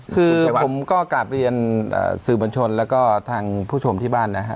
คือผมก็กลับเรียนสื่อบัญชนแล้วก็ทางผู้ชมที่บ้านนะฮะ